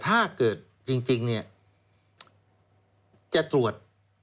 ถ้าเกิดจริงจะตรวจ